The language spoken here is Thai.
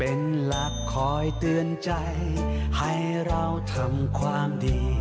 เป็นหลักคอยเตือนใจให้เราทำความดี